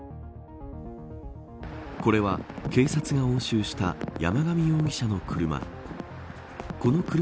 これは警察が押収した山上容疑者の車。